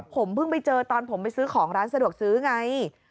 ผมเพิ่งไปเจอตอนผมไปซื้อของร้านสะดวกซื้อไง